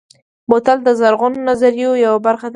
بوتل د زرغونو نظریو یوه برخه ده.